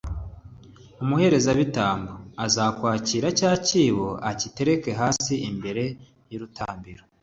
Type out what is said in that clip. umuherezabitambo azakwakira cya cyibo, agitereke hasi imbere y’urutambiro